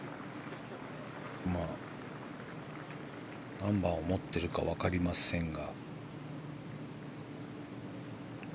何番を持っているか分かりませんが。